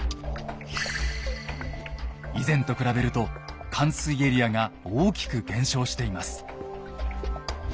以前と比べると冠水エリアが大きく減少しています。